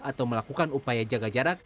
atau melakukan upaya jaga jarak